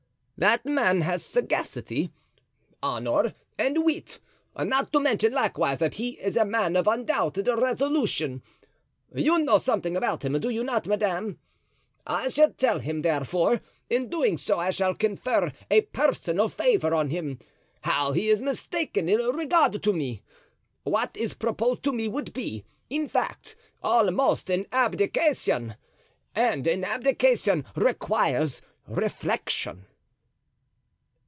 "That man has sagacity, honor and wit, not to mention likewise that he is a man of undoubted resolution. You know something about him, do you not, madame? I shall tell him, therefore, and in doing so I shall confer a personal favor on him, how he is mistaken in regard to me. What is proposed to me would be, in fact, almost an abdication, and an abdication requires reflection."